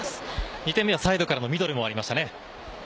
２点目はサイドからのミドルもありましたね。